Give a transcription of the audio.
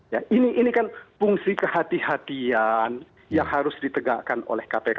ya ini kan fungsi kehatian yang harus ditegakkan oleh kpk